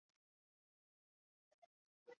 切扎里娜是巴西戈亚斯州的一个市镇。